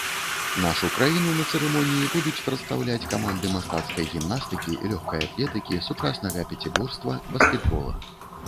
Нашу краіну на цырымоніі будуць прадстаўляць каманды мастацкай гімнастыкі, лёгкай атлетыкі, сучаснага пяціборства, баскетбола.